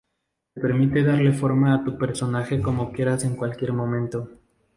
Te permite darle forma a tu personaje como quieras en cualquier momento.